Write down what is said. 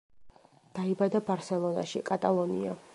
დაიბადა ბარსელონაში, კატალონია.